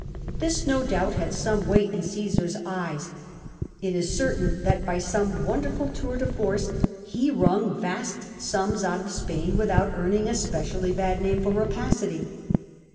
This no doubt had some weight in Ccosar's eyes: it is certain that by some wonderful tmr de force he wrung vast sums out of Spain without earning a specially bad natne for rapacity.